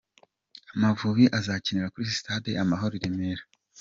Amavubi azakinira kuri Stade Amahoro i Remera.